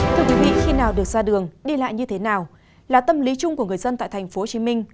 thưa quý vị khi nào được ra đường đi lại như thế nào là tâm lý chung của người dân tại thành phố hồ chí minh